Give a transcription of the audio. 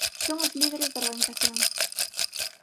Son os líderes da organización.